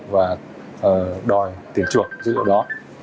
và đòi tiền trưởng dữ liệu đó